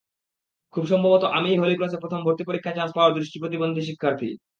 খুব সম্ভবত আমিই হলিক্রসে প্রথম ভর্তি পরীক্ষায় চান্স পাওয়া দৃষ্টিপ্রতিবন্ধী শিক্ষার্থী।